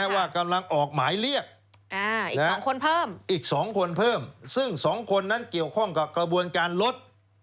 ว่ากำลังออกหมายเรียก๒คนเพิ่มอีก๒คนเพิ่มซึ่ง๒คนนั้นเกี่ยวข้องกับกระบวนการลด